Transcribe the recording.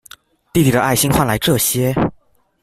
弟弟的愛心換來這些